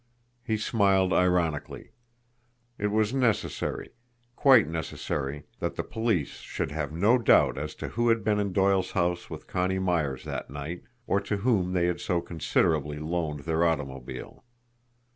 He smiled ironically. It was necessary, quite necessary that the police should have no doubt as to who had been in Doyle's house with Connie Myers that night, or to whom they had so considerately loaned their automobile!